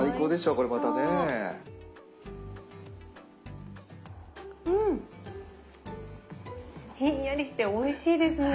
うん！ひんやりしておいしいですね。